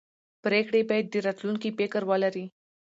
پرېکړې باید د راتلونکي فکر ولري